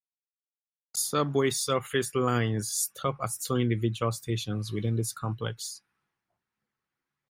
The Subway-Surface Lines stop at two individual stations within this complex.